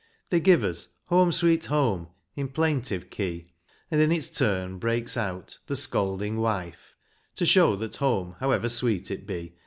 They give us "Home, Sweet Home," in plaintive key. And in its turn breaks out "The Scolding Wife," To show that home, however sweet it be.